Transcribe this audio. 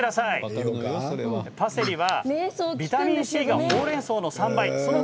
パセリはビタミンＣがほうれんそうの３倍。